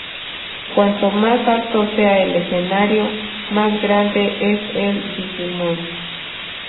Cuanto más alto sea el escenario, más grande es el Digimon.